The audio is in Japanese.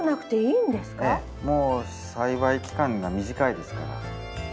もう栽培期間が短いですから。